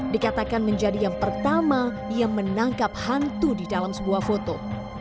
dikatakan menjadi yang pertama ia menangkap hantu di dalam sebuah foto